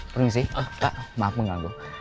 permisi pak maaf mengganggu